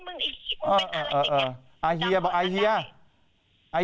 มันก็สกูลไงสกูลแห่งปากใสกันอะ